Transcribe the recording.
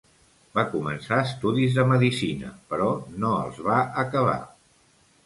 Va començar estudis de Medicina, però no els va acabar.